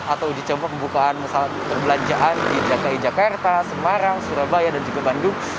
atau dicemput pembukaan perbelanjaan di jki jakarta semarang surabaya dan juga bandung